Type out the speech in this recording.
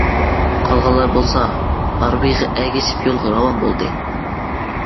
قالغانلار بولسا ھارۋىغا ئەگىشىپ يولىغا راۋان بولدى.